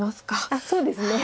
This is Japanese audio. あっそうですね。